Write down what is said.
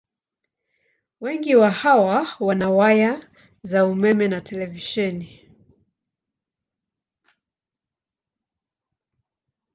Wengi wa hawa wana waya za umeme na televisheni.